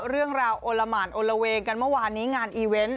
เรื่องราวโอละหมานโอละเวงกันเมื่อวานนี้งานอีเวนต์